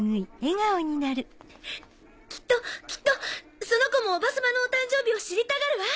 きっときっとその子もおばさまのお誕生日を知りたがるわ！